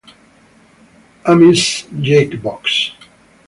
Amy's Jukebox.